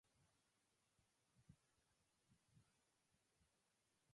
Russia controls much of the media in Kyrgyzstan.